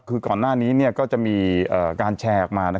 คือก่อนหน้านี้ก็จะมีการแชร์ออกมา